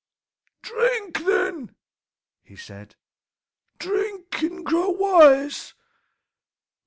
"Drink, then," he said; "drink and grow wise.